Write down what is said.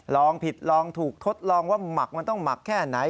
ลองผิดลองถูกทดลองว่าหมักมันต้องหมักแค่ไหน